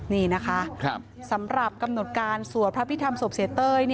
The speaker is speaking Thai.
นี่นะคะสำหรับกำหนดการสวดพระพิธรรมศพเสียเต้ย